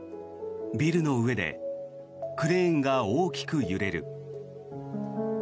ビルの上でクレーンが大きく揺れる。